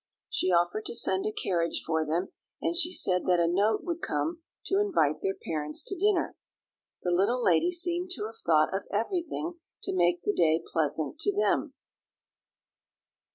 She offered to send a carriage for them; and she said that a note would come to invite their parents to dinner. The little lady seemed to have thought of everything to make the day pleasant to them.